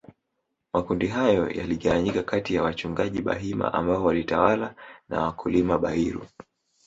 Makundi hayo yaligawanyika katiya wachungaji Bahima ambao walitawala na wakulima Bairu